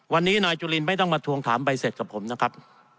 วันนี้นายจุลินไม่ต้องมาทวงถามใบเสร็จกับผมนะครับ